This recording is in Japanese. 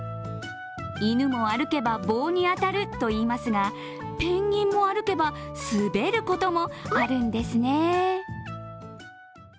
犬も歩けば棒に当たるといいますがペンギンも歩けば滑ることもあるんですね。